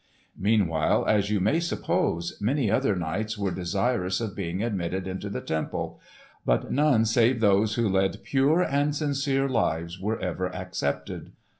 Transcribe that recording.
Meanwhile, as you may suppose, many other knights were desirous of being admitted into the temple; but none save those who led pure and sincere lives were ever accepted.